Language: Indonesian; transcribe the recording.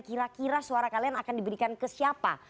kira kira suara kalian akan diberikan ke siapa